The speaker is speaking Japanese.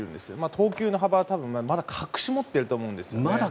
投球の幅は隠し持ってると思うんですよね。